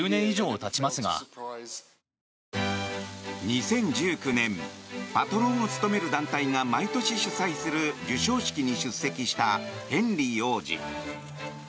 ２０１９年パトロンを務める団体が毎年主催する授賞式に出席したヘンリー王子。